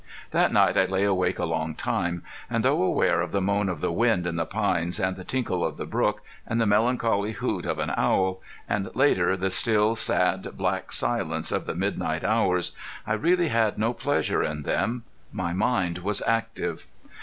That night I lay awake a long time, and though aware of the moan of the wind in the pines and the tinkle of the brook, and the melancholy hoot of an owl, and later the still, sad, black silence of the midnight hours, I really had no pleasure in them. My mind was active.